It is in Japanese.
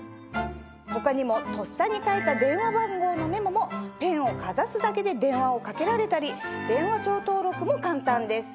他にもとっさに書いた電話番号のメモもペンをかざすだけで電話をかけられたり電話帳登録も簡単です。